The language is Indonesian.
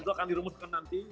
itu akan dirumuskan nanti